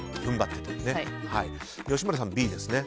吉村さんはＢですね。